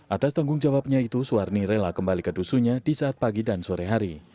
atas tanggung jawabnya itu suwarni rela kembali ke dusunya di saat pagi dan sore hari